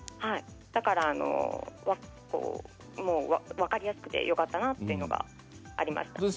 だから分かりやすくてよかったなというのがありました。